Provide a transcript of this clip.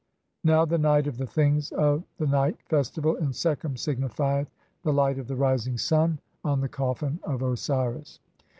Now the night of the "things of the night [festival] in Sekhem" signifieth the light of the rising sun on the coffin of Osiris.